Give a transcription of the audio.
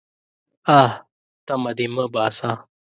_اه! تمه دې مه باسه.